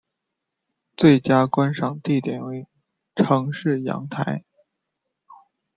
最佳观赏地点为城市阳台。